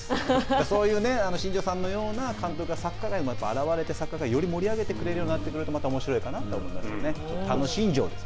そういう新庄さんのような監督がサッカー界にも現れてサッカー界にもより盛り上げてくれるようになるとまたおもしろいかなって思いますよね。